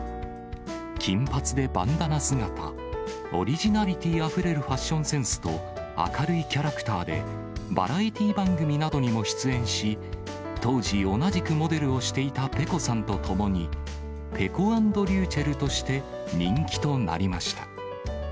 金髪でバンダナ姿、オリジナリティーあふれるファッションセンスと、明るいキャラクターで、バラエティー番組などにも出演し、当時、同じくモデルをしていたペコさんと共に、ぺこ＆りゅうちぇるとして人気となりました。